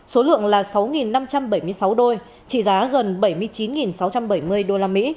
số lượng là sáu năm trăm bảy mươi sáu đôi trị giá gần bảy mươi chín sáu trăm bảy mươi usd